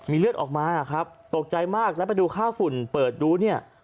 เลือดออกมาครับตกใจมากแล้วไปดูค่าฝุ่นเปิดดูเนี่ย